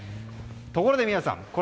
ところで、宮司さん。